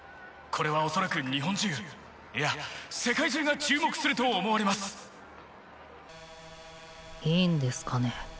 これは恐らく日本中いや世界中が注目すると思われますいいんですかね？